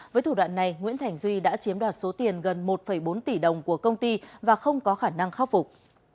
với thủ đoạn này nguyễn thành duy đã chiếm đoạt số tiền gần một bốn tỷ đồng của công ty và không có khả năng khắc phục